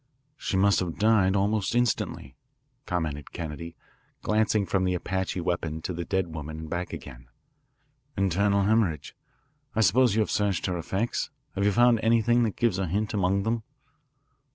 "She must have died almost instantly," commented Kennedy, glancing from the Apache weapon to the dead woman and back again. "Internal hemorrhage. I suppose you have searched her effects. Have you found anything that gives a hint among them?"